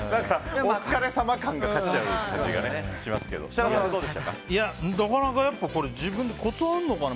お疲れさま感が勝っちゃう感じがしますけどコツがあるのかな。